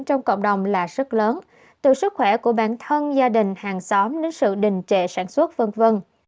trong cộng đồng là rất lớn từ sức khỏe của bản thân gia đình hàng xóm đến sự đình trệ sản xuất v v